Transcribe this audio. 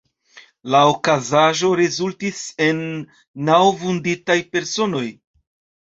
La okazaĵo rezultis en naŭ vunditaj personoj.